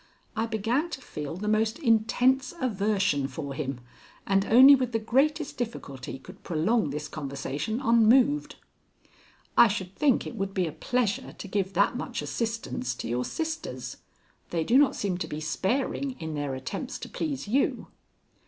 I began to feel the most intense aversion for him, and only with the greatest difficulty could prolong this conversation unmoved. "I should think it would be a pleasure to give that much assistance to your sisters. They do not seem to be sparing in their attempts to please you."